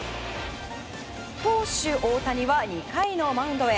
投手・大谷は、２回のマウンドへ。